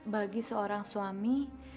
bagi seorang suami